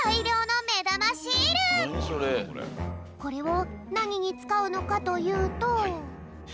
これをなににつかうのかというと。